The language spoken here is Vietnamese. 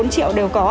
bốn triệu đều có